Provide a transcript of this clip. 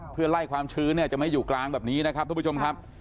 เพื่อไล่ความชื้นเนี่ยจะไม่อยู่กลางแบบนี้นะครับทุกผู้ชมครับ